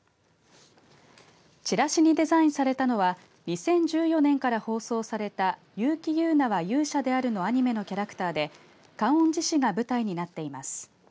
チラシにデザインされたのは２０１４年から放送された結城友奈は勇者であるのアニメのキャラクターで観音寺市が舞台になっています。